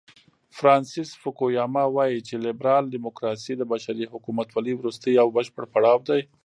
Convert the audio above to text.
فرانسیس فوکویاما وایي چې لیبرال دیموکراسي د بشري حکومتولۍ وروستی او بشپړ پړاو دی.